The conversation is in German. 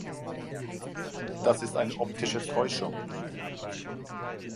Das ist eine optische Täuschung!